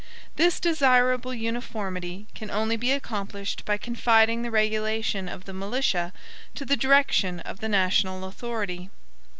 This desirable uniformity can only be accomplished by confiding the regulation of the militia to the direction of the national authority.